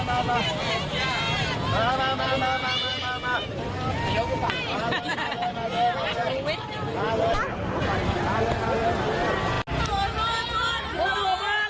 สวัสดีครับสวัสดีสวัสดีพี่น้อง